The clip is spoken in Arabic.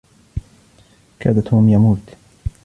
كاد توم يموت